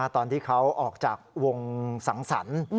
ตอนที่เขาออกจากวงสังสรรค์